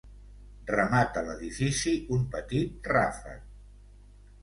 Remata l'edifici un petit ràfec.